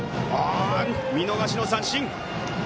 見逃し三振。